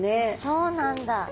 そうなんだ。